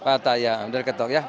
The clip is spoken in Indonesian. pak hatta ya sudah ada ketok ya